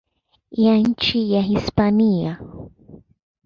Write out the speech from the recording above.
ya nchini Hispania.